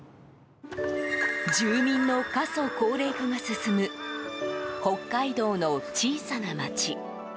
住民の過疎高齢化が進む北海道の小さな町。